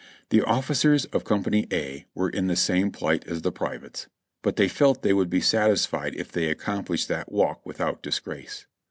The officers of Company A were in the same plight as the privates; but they felt they would be satisfied if they accomplished that walk without disgrace.